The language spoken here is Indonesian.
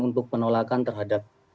untuk penolakan terhadap